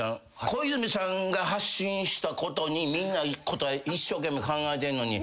小泉さんが発信したことにみんな答え一生懸命考えてんのに。